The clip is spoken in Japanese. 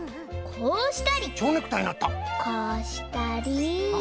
こうしたり。